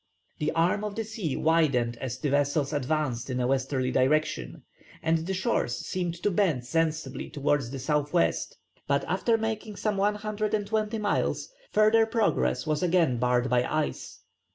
The arm of the sea widened as the vessels advanced in a westerly direction, and the shores seemed to bend sensibly towards the south west, but after making some 120 miles further progress was again barred by ice.